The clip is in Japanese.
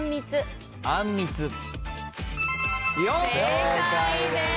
正解です。